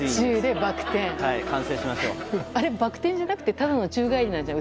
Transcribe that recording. バク転じゃなくてただの宙返りなんじゃない？